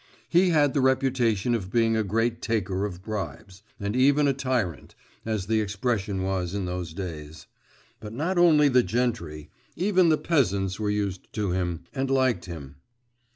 He had the reputation of being a great taker of bribes, and even a tyrant, as the expression was in those days. But not only the gentry, even the peasants were used to him, and liked him.